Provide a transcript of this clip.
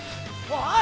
おい！